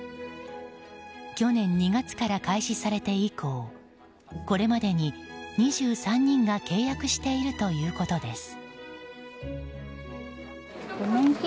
去年２月から開始されて以降これまでに２３人が契約しているということです。